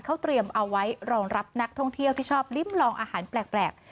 เขาเตรียมเอาไว้รองรับนักท่องเที่ยวที่ชอบลิ้มลองอาหารแปลก